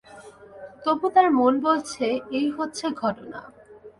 তবু তাঁর মন বলছে, এই হচ্ছে ঘটনা।